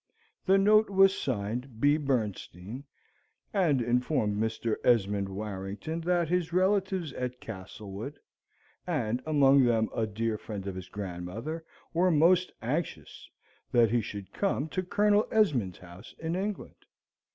The note was signed B. Bernstein, and informed Mr. Esmond Warrington that his relatives at Castlewood, and among them a dear friend of his grandfather, were most anxious that he should come to "Colonel Esmond's house in England."